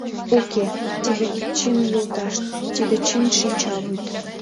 Уке, тиде чын йолташ, тиде чын шинчавӱд.